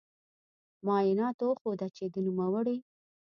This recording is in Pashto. معایناتو وښوده چې د نوموړې